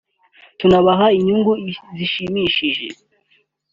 tunabaha inyungu zishimishije